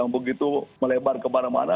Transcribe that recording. begitu melebar kemana mana